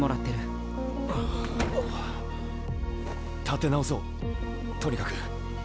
立て直そうとにかく。